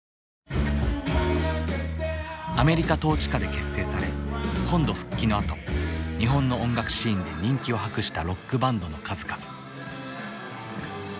アメリカ統治下で結成され本土復帰のあと日本の音楽シーンで人気を博したロックバンドの数々。